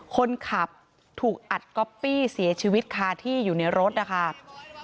คนขับถูกอัดก๊อปปี้เสียชีวิตคาที่อยู่ในรถนะคะ